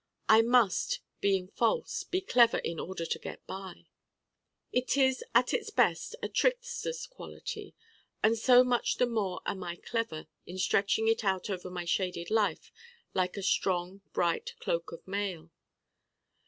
I must, being false, be Clever in order to get by. It is at its best a trickster's quality: and so much the more am I Clever in stretching it out over my shaded life like a strong bright cloak of mail.